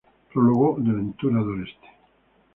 Prólogo de Ventura Doreste.